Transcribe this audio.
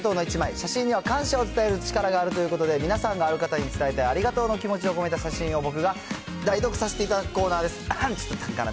写真には感謝を伝える力があるということで、皆さんがある方に伝えたいありがとうの気持ちを込めた写真を、僕が代読させていただくコーナーです。